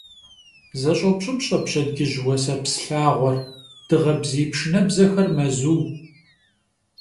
ЗэщӀопщӀыпщӀэ пщэдджыжь уасэпс лъагъуэр, дыгъэ бзий пшынэбзэхэр мэзу.